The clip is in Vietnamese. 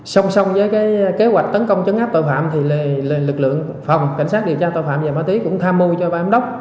song song với kế hoạch tấn công chấn áp tội phạm lực lượng phòng cảnh sát điều tra tội phạm và ma túy cũng tham mưu cho bà ấm đốc